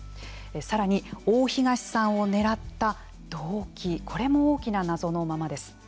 さらに、大東さんを狙った動機これも大きな謎のままです。